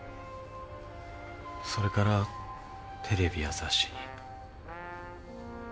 それからテレビや雑誌に。